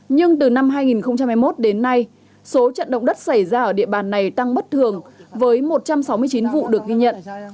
nhưng từ năm hai nghìn hai mươi một đến nay số trận động đất xảy ra ở địa bàn này tăng bất thường với một trăm sáu mươi chín vụ được ghi nhận